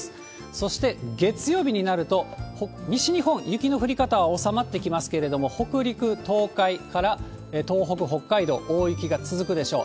そして月曜日になると、西日本、雪の降り方は収まってきますけれども、北陸、東海から東北、北海道、大雪が続くでしょう。